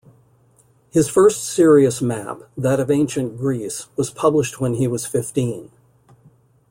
His first serious map, that of Ancient Greece, was published when he was fifteen.